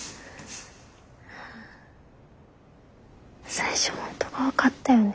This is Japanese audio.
・最初本当怖かったよね。